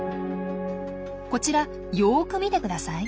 こちらよく見てください。